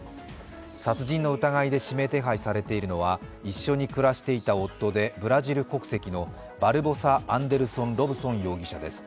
殺人の疑いで指名手配されているのは一緒に暮らしていた夫でブラジル国籍のバルボサ・アンデルソン・ロブソン容疑者です。